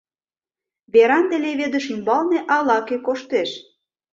Веранде леведыш ӱмбалне ала-кӧ коштеш.